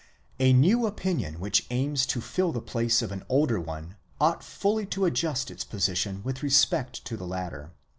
A new opinion, which aims to fill the place of an older one, ought fully to adjust its position with respect to the latter.